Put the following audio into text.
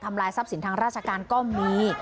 ทำร้ายทรัพย์ศิลป์ทางราชการก็มี